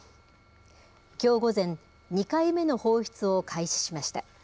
きょう午前２回目の放出を開始しました。